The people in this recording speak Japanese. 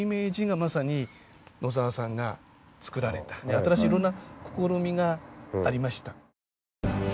新しいいろんな試みがありました。